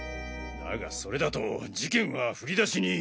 だがそれだと事件は振り出しに。